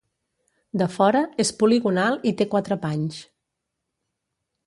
De fora, és poligonal i té quatre panys.